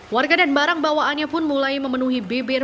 warga dan barang bawaannya pun mulai memenuhi bibir